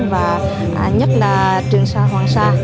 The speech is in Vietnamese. và nhất là trường sa hoàng sa